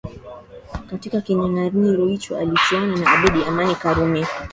Katika kinyanganyiro icho alichuana na Abeid Amani Karume